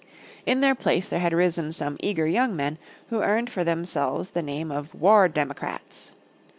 In their place there had risen some eager young men who earned for themselves the name of War Democrats.